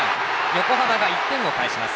横浜が１点を返します。